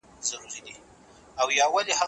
تجربه د علم د پخوالي نښه ده.